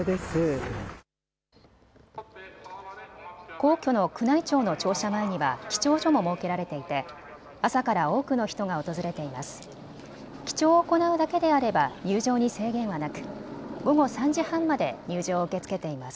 皇居の宮内庁の庁舎前には記帳所も設けられていて朝から多くの人が訪れています。